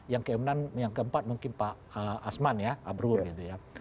yang keempat mungkin pak asman ya abrur gitu ya